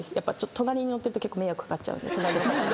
隣に乗ってると結構迷惑かかっちゃう隣の方に。